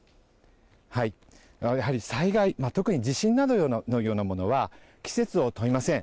やはり災害、特に地震などのようなものは季節を問いません。